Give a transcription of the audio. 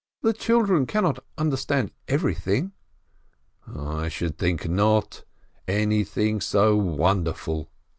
"The children cannot understand everything." "I should think not, anything so wonderful